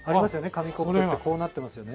紙コップってこうなってますよね。